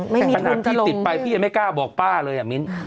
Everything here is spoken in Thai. ขนาดพี่ติดไปพี่ยังไม่กล้าบอกป้าเลยอ่ะมิ้น